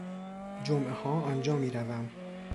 جمعهها آنجا می روم.